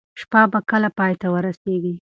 شپه به کله پای ته ورسیږي؟